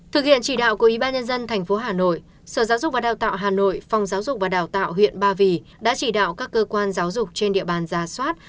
thực hiện chỉ đạo của ybnd tp hà nội sở giáo dục và đào tạo hà nội phòng giáo dục và đào tạo huyện ba vì đã chỉ đạo các cơ quan giáo dục trên địa bàn ra soát